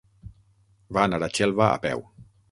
Va anar a Xelva a peu.